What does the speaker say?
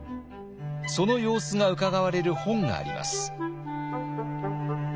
その様子がうかがわれる本があります。